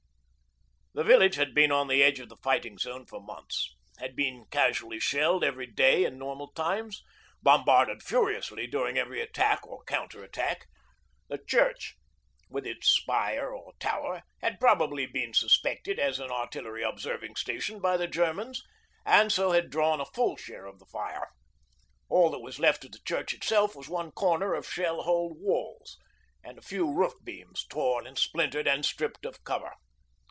The village had been on the edge of the fighting zone for months, had been casually shelled each day in normal times, bombarded furiously during every attack or counter attack. The church, with its spire or tower, had probably been suspected as an artillery observing station by the Germans, and so had drawn a full share of the fire. All that was left of the church itself was one corner of shell holed walls, and a few roof beams torn and splintered and stripped of cover.